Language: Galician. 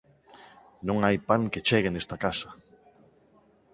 Non hai pan que chegue nesta casa.